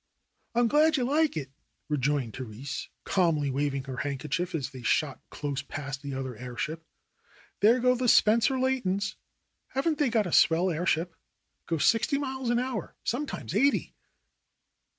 "I am glad you like it," rejoined Therese, calmly wav ing her handkerchief as they shot close past the other airship. "There go the Spencer Leightons. Haven't they got a swell airship? It goes sixty miles an hour, sometimes eighty."